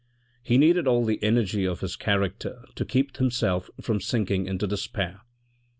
He needed all the energy of his character to keep himself from sinking into despair.